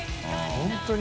本当に。